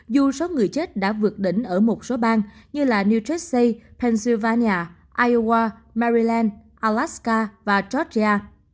dù số người chết đã vượt đỉnh ở một số bang như là nusse pennsylvania iowa maryland alaska và georgia